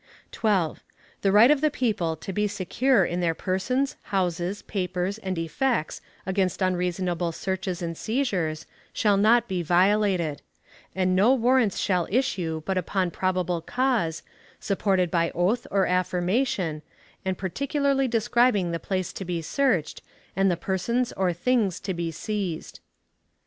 12. The right of the people to be secure in their persons, houses, papers, and effects against unreasonable searches and seizures shall not be violated; and no warrants shall issue but upon probable cause, supported by oath or affirmation, and particularly describing the place to be searched, and the persons or things to be seized.